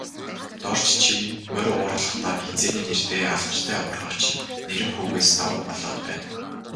Дорж чи морь уургалахдаа, хэзээний нэртэй алдартай уургач Нэрэнхүүгээс давуу болоод байна.